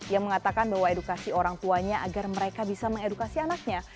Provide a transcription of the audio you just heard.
yang mengatakan bahwa edukasi orang tuanya agar mereka bisa mengedukasi anaknya